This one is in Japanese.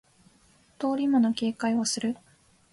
通り魔の警戒をする